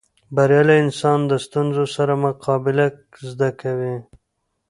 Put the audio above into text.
بریالی انسان د ستونزو سره مقابله زده کوي.